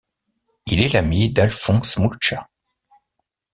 Il est l'ami d'Alfons Mucha.